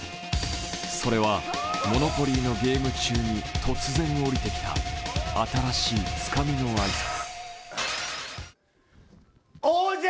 それはモノポリーのゲーム中に突然降りてきた新しいつかみの挨拶。